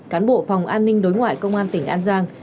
cán bộ phòng an ninh đối ngoại công an tỉnh an giang